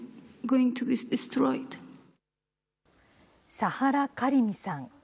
サハラ・カリミさん。